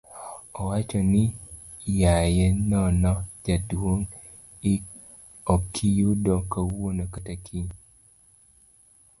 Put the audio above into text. awachoni ni iaye nono jaduong',okiyuda kawuono kata kiny